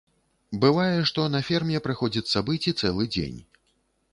Бывае, што на ферме прыходзіцца быць і цэлы дзень.